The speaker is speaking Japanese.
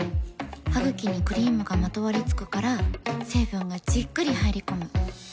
ハグキにクリームがまとわりつくから成分がじっくり入り込む。